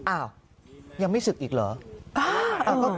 อ้าวยังไม่ศึกอีกเหรอ